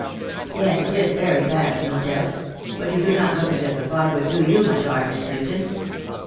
"Yes, it is very bad, no doubt; but you do not look as if the fog could do you much harm, Miss Newton."